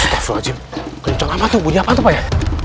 terjebak kecoh kecoh bunyi apaan tuh